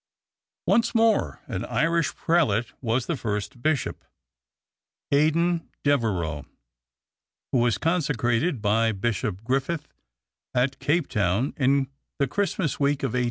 Once more an Irish prelate was the first Bishop Aidan Devereux, who was consecrated by Bishop Griffith at Cape Town in the Christmas week of 1847.